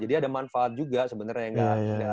banyak manfaat juga sebenernya